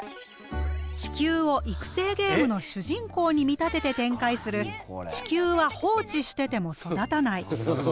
地球を育成ゲームの主人公に見立てて展開する「地球は放置してても育たない」。